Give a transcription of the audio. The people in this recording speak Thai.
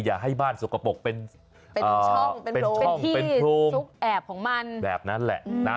อย่าให้บ้านสกปรกเป็นพรุ่งเป็นพรุ่งแบบนั้นแหละนะ